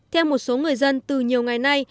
theo một số người dân từ nhiều ngày nay